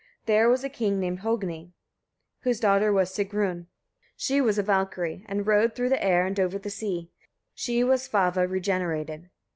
There was a king named Hogni, whose daughter was Sigrun: she was a Valkyria, and rode through the air and over the sea. She was Svava regenerated.